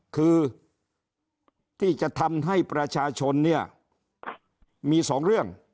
คือที่จะทำให้ประชาชนเนี่ยมีสองเรื่อง